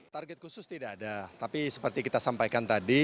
target khusus tidak ada tapi seperti kita sampaikan tadi